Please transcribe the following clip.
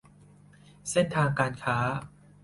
เส้นทางการค้า